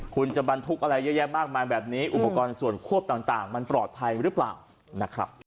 คุณจะบรรทุกอะไรเยอะแยะมากมายแบบนี้อุปกรณ์ส่วนควบต่างมันปลอดภัยหรือเปล่านะครับ